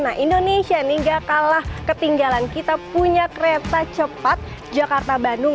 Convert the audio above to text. nah indonesia nih gak kalah ketinggalan kita punya kereta cepat jakarta bandung